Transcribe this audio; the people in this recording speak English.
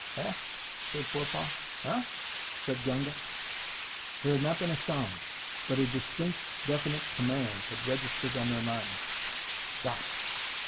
"Eh?" said Forepaugh. "Uh?" said Gunga. There had not been a sound, but a distinct, definite command had registered on their minds. "Stop!"